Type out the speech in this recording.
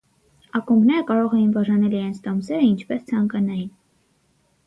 Ակումբները կարող էին բաժանել իրենց տոմսերը ինչպես ցանկանային։